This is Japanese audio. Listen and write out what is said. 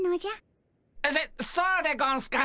そそうでゴンスか。